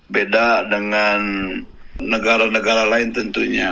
beda dengan negara negara lain tentunya